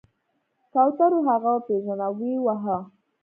کوترو هغه وپیژند او ویې واهه.